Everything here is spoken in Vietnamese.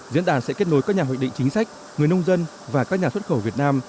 diễn đàn sẽ kết nối các nhà hoạch định chính sách người nông dân và các nhà xuất khẩu việt nam